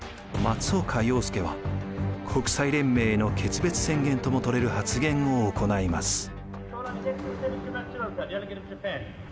松岡洋右は国際連盟への決別宣言とも取れる発言を行います。